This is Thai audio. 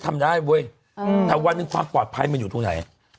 ทำได้เว้ยแต่วันหนึ่งความปลอดภัยมันอยู่ตรงไหน